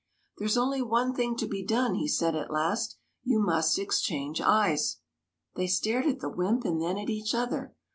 "There's only one thing to be done," he said at last. " You must exchange eyes." They stared at the wymp and then at each other.